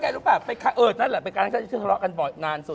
แล้วรู้ป่ะเป็นการที่ทะเลาะกันนานสุด